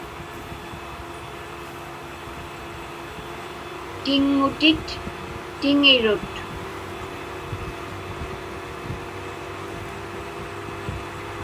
Tiŋŋutit tiŋirut.